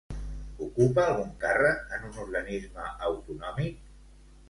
Ocupa algun càrrec en un organisme autonòmic?